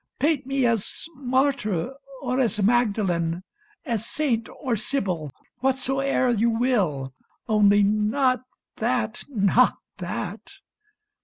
Paint me as martyr, or as Magdalen, As saint, or sibyl — whatsoe'er you will, Only not that, not that